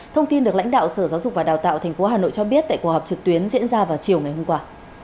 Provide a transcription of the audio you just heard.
thông tin được lãnh đạo sở giáo dục và đào tạo tp hà nội cho biết tại cuộc họp trực tuyến diễn ra vào chiều ngày hôm qua